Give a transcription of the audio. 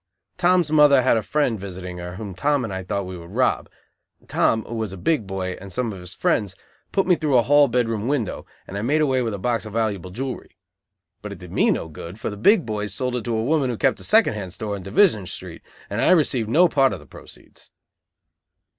Tom's mother had a friend visiting her, whom Tom and I thought we would rob. Tom, who was a big boy, and some of his friends, put me through a hall bed room window, and I made away with a box of valuable jewelry. But it did me no good for the big boys sold it to a woman who kept a second hand store on Division Street, and I received no part of the proceeds.